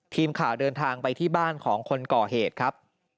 ทีมข่าวเดินทางไปที่บ้านของคนก่อเหตุครับ